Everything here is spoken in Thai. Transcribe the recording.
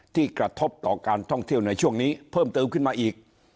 กระทบต่อการท่องเที่ยวในช่วงนี้เพิ่มเติมขึ้นมาอีก